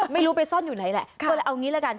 ไม่รู้ไปซ่อนอยู่ไหนแหละก็เลยเอางี้ละกัน